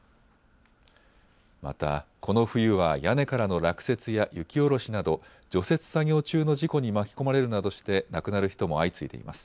またこの冬は屋根からの落雪や雪下ろしなど除雪作業中の事故に巻き込まれるなどして亡くなる人も相次いでいます。